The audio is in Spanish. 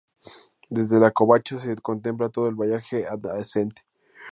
Desde la covacha se contempla todo el valle adyacente.